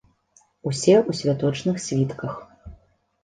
Усе ў святочных світках.